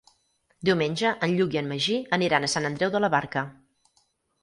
Diumenge en Lluc i en Magí aniran a Sant Andreu de la Barca.